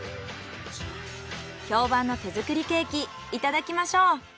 評判の手作りケーキいただきましょう。